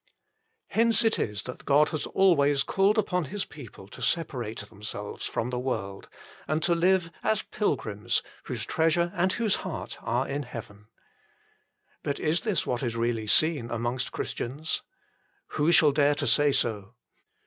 Hence it is that God has always called upon His people to separate themselves from the world, and to live as pilgrims whose treasure and whose heart are in heaven. But is this what is really seen amongst Christians ? Who shall dare to say so